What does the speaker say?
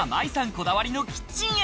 こだわりのキッチンへ。